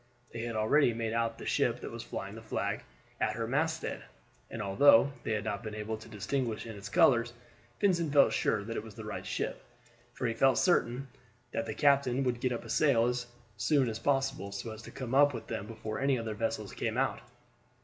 They had already made out that the ship was flying a flag at her masthead, and although they had not been able to distinguish its colors, Vincent felt sure that it was the right ship; for he felt certain that the captain would get up sail as soon as possible, so as to come up with them before any other vessels came out.